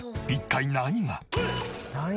一体何が。